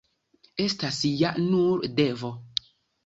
Estas ja nur devo.